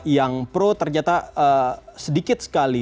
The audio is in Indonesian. yang pro ternyata sedikit sekali